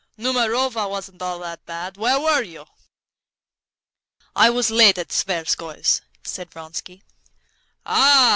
Numerova wasn't at all bad. Where were you?" "I was late at the Tverskoys'," said Vronsky. "Ah!"